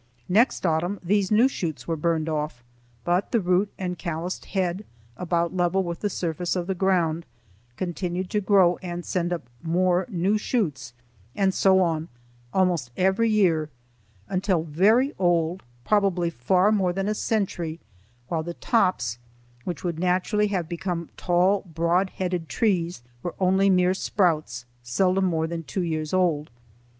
Next autumn these new shoots were burned off, but the root and calloused head, about level with the surface of the ground, continued to grow and send up more new shoots; and so on, almost every year until very old, probably far more than a century, while the tops, which would naturally have become tall broad headed trees, were only mere sprouts seldom more than two years old.